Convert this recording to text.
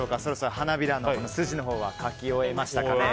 花びらの筋は描き終えましたかね。